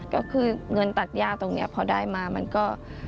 ก็คือเงินตัดย่าตรงนี้พอได้มามันก็